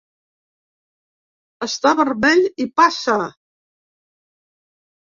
Està vermell i passa.